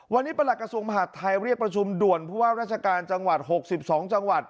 วันนี้ประหลักกระทรวงมหาดไทยเรียกประชุมด่วนผู้ว่าราชการจังหวัด๖๒จังหวัด